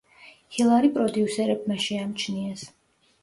ჰილარი პროდიუსერებმა შეამჩნიეს.